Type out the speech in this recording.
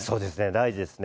大事ですね。